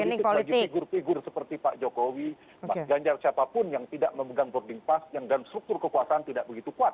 daya tawar politik sebagai figur figur seperti pak jokowi ganjar siapapun yang tidak memegang boarding pass dan struktur kekuasaan tidak begitu kuat